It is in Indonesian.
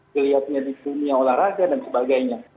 kelihatannya di dunia olahraga dan sebagainya